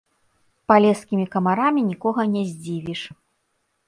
Палескімі камарамі нікога не здзівіш.